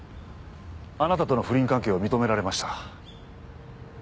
あなたとの不倫関係を認められました。